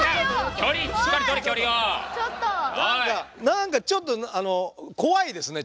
何かちょっと怖いですね。